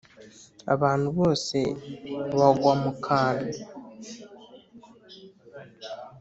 abantu bose bagwa mukantu